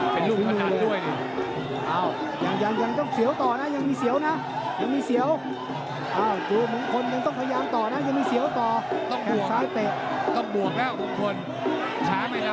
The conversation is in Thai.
ภายในมันไม่ได้จะเกิดขึ้นได้